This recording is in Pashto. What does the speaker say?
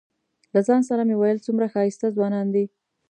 له ځان سره مې ویل څومره ښایسته ځوانان دي.